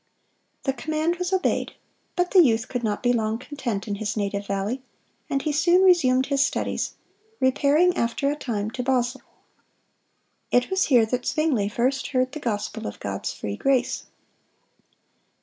The command was obeyed; but the youth could not be long content in his native valley, and he soon resumed his studies, repairing, after a time, to Basel. It was here that Zwingle first heard the gospel of God's free grace.